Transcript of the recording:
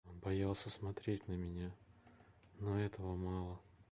Он боялся смотреть на меня, но этого мало...